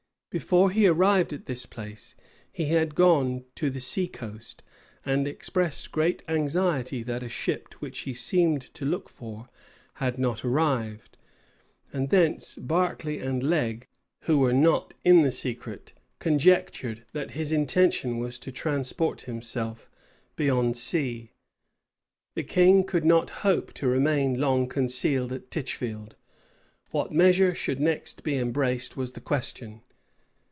Before he arrived at this place, he had gone to the sea coast; and expressed great anxiety that a ship which he seemed to look for, had not arrived; and thence, Berkeley and Leg, who were not in the secret, conjectured that his intention was to transport himself beyond sea. The king could not hope to remain long concealed at Tichfield: what measure should next be embraced, was the question.